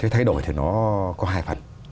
thay đổi thì nó có hai phần